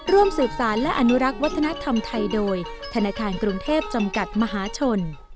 ร่วมสืบสารและอนุรักษ์วัฒนธรรมไทยโดยธนาคารกรุงเทพจำกัดมหาชน